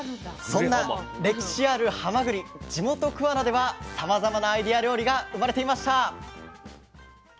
そんな歴史あるはまぐり地元桑名ではさまざまなアイデア料理が生まれていました。